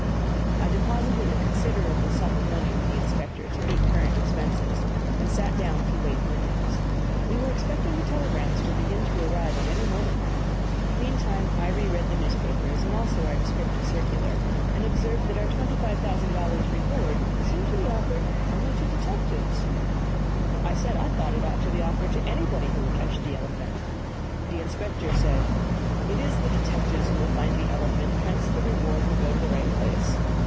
I deposited a considerable sum of money with the inspector, to meet current expenses, and sat down to wait for news. We were expecting the telegrams to begin to arrive at any moment now. Meantime I reread the newspapers and also our descriptive circular, and observed that our twenty five thousand dollars reward seemed to be offered only to detectives. I said I thought it ought to be offered to anybody who would catch the elephant. The inspector said: "It is the detectives who will find the elephant; hence the reward will go to the right place.